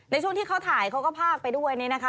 ในช่วงที่เขาถ่ายเขาก็พากไปด้วยนี่นะคะ